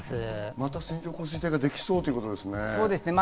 また線状降水帯ができそうということですね。